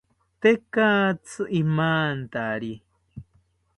Tekatzi imantari